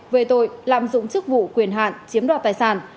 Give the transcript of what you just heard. về tội lạm dụng chức vụ quyền hạn chiếm đoạt tài sản